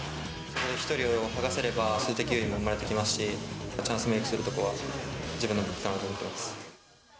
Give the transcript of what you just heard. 一人一人を剥がせれば、数的優位も生まれてきますし、チャンスメークするところは自分の武器かなと思っています。